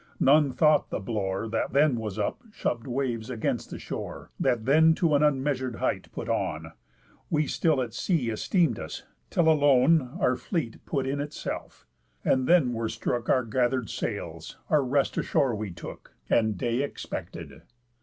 None thought the blore, That then was up, shov'd waves' against the shore, That then to an unmeasur'd height put on; We still at sea esteem'd us, till alone Our fleet put in itself. And then were strook Our gather'd sails; our rest ashore we took, And day expected.